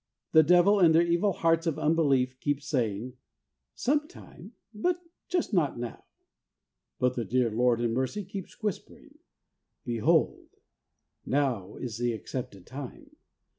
The Devil and their evil hearts of unbelief keep saying, ' Some time, but not just now.' But the dear Lord in mercy keeps whispering, ' Behold, now is the accepted time.